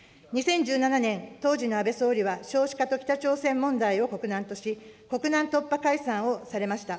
２０１７年、当時の安倍総理は、少子化と北朝鮮問題を国難とし、国難突破解散をされました。